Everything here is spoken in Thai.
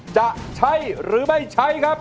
จะใช้หรือไม่ใช้ครับ